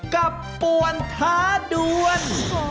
กับป่วนท้าด่วน